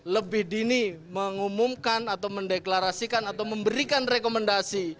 lebih dini mengumumkan atau mendeklarasikan atau memberikan rekomendasi